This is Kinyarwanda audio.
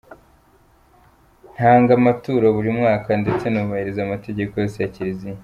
Ntanga amaturo buri mwaka ndetse nubahiriza amategeko yose ya Kiliziya”.